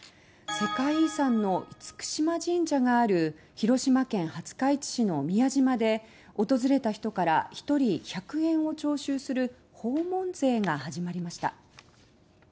世界遺産の厳島神社がある広島県廿日市市の宮島で訪れた人から１人１００円を徴収する訪問税が始まりました。